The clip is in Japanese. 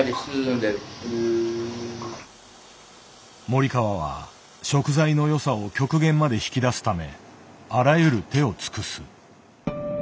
森川は食材の良さを極限まで引き出すためあらゆる手を尽くす。